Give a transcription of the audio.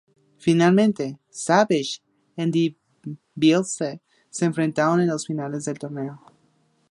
Finalmente, Savage y DiBiase se enfrentaron en las finales del torneo.